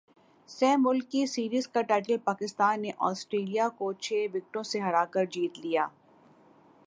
سہ ملکی سیریز کا ٹائٹل پاکستان نے اسٹریلیا کو چھ وکٹوں سے ہرا کرجیت لیا